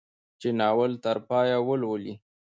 چې ناول تر پايه ولولي.